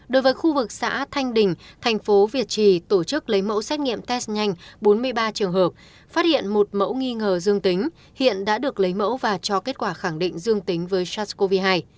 đối với khu vực xã thanh đình thành phố việt trì tổ chức lấy mẫu xét nghiệm test nhanh bốn mươi ba trường hợp phát hiện một mẫu nghi ngờ dương tính hiện đã được lấy mẫu và cho kết quả khẳng định dương tính với sars cov hai